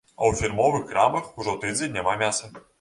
А ў фірмовых крамах ужо тыдзень няма мяса.